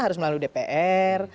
harus melalui dpr